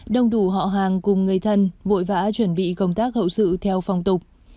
đông đủ họ hàng cùng người thân vội vã chuẩn bị công tác hậu sự theo phong tục